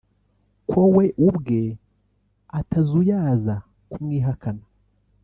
ko we ubwe atazuyaza kumwihakana